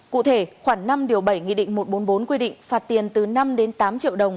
cụ thể khoảng năm điều bảy nghị định một trăm bốn mươi bốn quy định phạt tiền từ năm đến tám triệu đồng